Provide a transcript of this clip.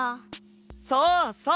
そうそう！